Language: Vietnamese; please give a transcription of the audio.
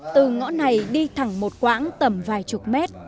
từ ngõ này đi thẳng một quãng tầm vài chục mét